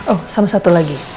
oh sama satu lagi